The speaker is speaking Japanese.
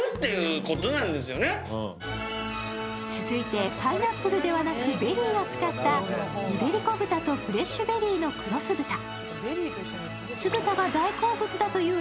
続いて、パイナップルではなくベリーを使ったイベリコ豚とフレッシュベリーの黒酢豚。